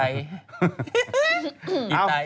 อิตัย